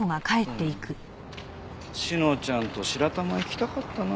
志乃ちゃんと白玉行きたかったな。